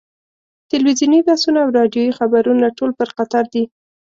تلویزیوني بحثونه او راډیویي خبرونه ټول پر قطر دي.